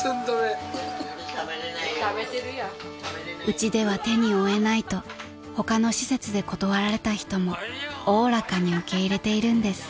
［うちでは手に負えないと他の施設で断られた人もおおらかに受け入れているんです］